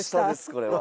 これは。